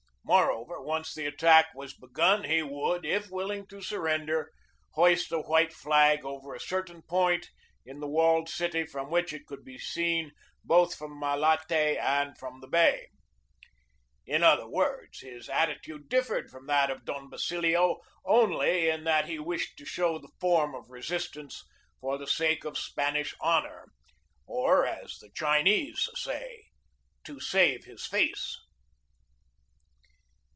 Moreover, once the attack was begun he would, if willing to surrender, hoist a white flag over a certain point in the walled city from which it could be seen both from Malate and from the bay. THE TAKING OF MANILA 275 In other words, his attitude differed from that of Don Basilio only in that he wished to show the form of resistance for the sake of Spanish honor; or, as the Chinese say, to "save his face."